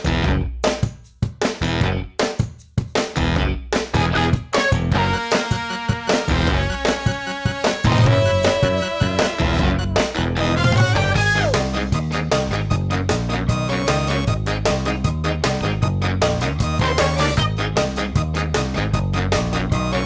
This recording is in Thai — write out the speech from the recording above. เป็นกำลังเก่งเลย